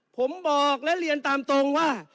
ผมบอกและเรียนตามตรงว่า